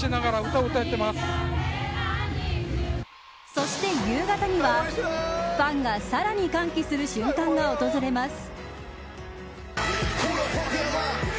そして、夕方にはファンがさらに歓喜する瞬間が訪れます。